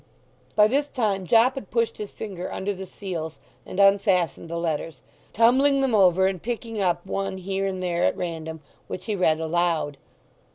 By this time Jopp had pushed his finger under the seals, and unfastened the letters, tumbling them over and picking up one here and there at random, which he read aloud.